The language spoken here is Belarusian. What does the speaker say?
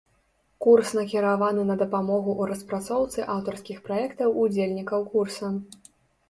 Курс накіраваны на дапамогу ў распрацоўцы аўтарскіх праектаў удзельнікаў курса.